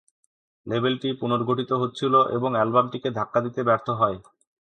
লেবেলটি পুনর্গঠিত হচ্ছিল এবং অ্যালবামটিকে ধাক্কা দিতে ব্যর্থ হয়।